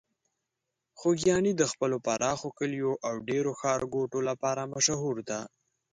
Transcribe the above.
خوږیاڼي د خپلو پراخو کليو او ډیرو ښارګوټو لپاره مشهور ده.